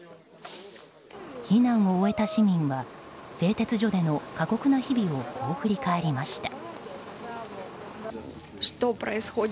避難を終えた市民は製鉄所での過酷な日々をこう振り返りました。